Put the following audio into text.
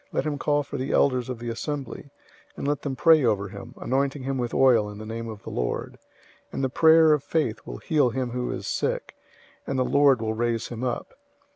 Let him call for the elders of the assembly, and let them pray over him, anointing him with oil in the name of the Lord, 005:015 and the prayer of faith will heal him who is sick, and the Lord will raise him up.